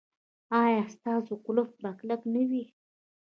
ایا ستاسو قفل به کلک نه وي؟